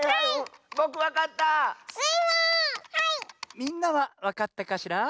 みんなはわかったかしら？